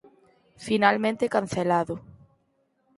Finalmente cancelado.